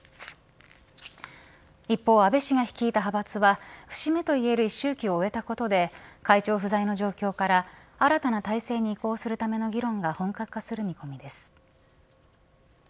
一方、安倍氏が率いた派閥は節目と言える一周忌を終えたことで会長不在の状況から新たな体制に移行するための議論が本格化する見込みです。